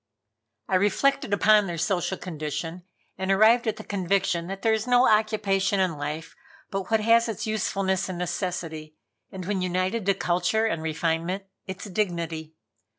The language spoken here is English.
I reflected upon their social condition and arrived at the conviction that there is no occupation in life but what has its usefulness and necessity, and, when united to culture and refinement, its dignity.